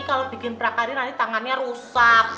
kalau bikin prakardi nanti tangannya rusak